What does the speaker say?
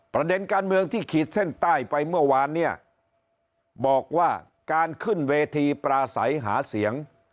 ประเด็นการเมืองที่ขีดเส้นใต้ไปเมื่อวานเนี่ยบอกว่าการขึ้นเวทีปราศัยหาเสียง